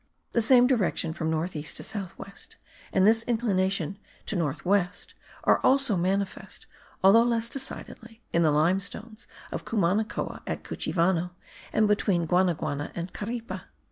The same direction from north east to south west, and this inclination to north west, are also manifest, although less decidedly, in the limestones of Cumanacoa at Cuchivano and between Guanaguana and Caripe.